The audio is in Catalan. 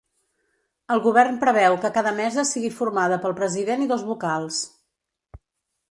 El govern preveu que cada mesa sigui formada pel president i dos vocals.